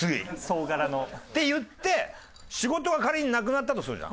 総柄の。って言って仕事が仮になくなったとするじゃん。